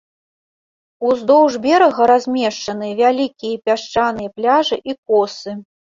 Уздоўж берага размешчаны вялікія пясчаныя пляжы і косы.